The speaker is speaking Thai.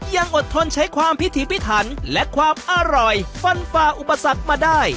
อดทนใช้ความพิถีพิถันและความอร่อยฟันฝ่าอุปสรรคมาได้